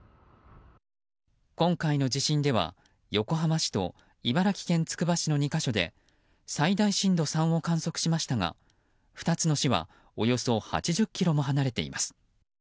今回の地震では、横浜市と茨城県つくば市の２か所で最大震度３を観測しましたが２つの市はおよそ８０ｋｍも離れています。